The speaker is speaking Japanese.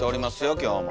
今日も。